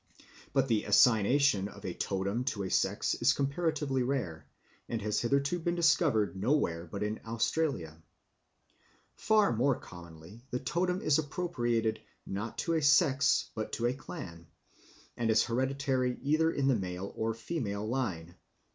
But the assignation of a totem to a sex is comparatively rare, and has hitherto been discovered nowhere but in Australia. Far more commonly the totem is appropriated not to a sex, but to a clan, and is hereditary either in the male or female line.